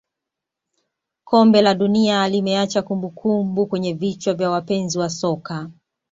kombe la dunia limeacha kumbukumbu kwenye vichwa vya wapenzi wa soka